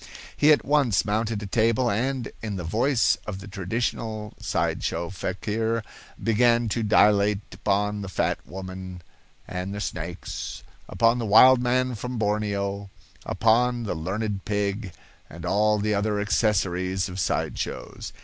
He at once mounted a table, and, in the voice of the traditional side show fakir, began to dilate upon the fat woman and the snakes, upon the wild man from Borneo, upon the learned pig, and all the other accessories of side shows.